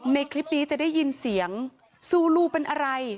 ในคลิปนี้จะได้ยินเสียงซูลูเป็นอะไร